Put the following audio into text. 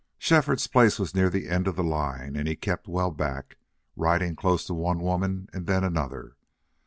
Shefford's place was near the end of the line, and he kept well back, riding close to one woman and then another.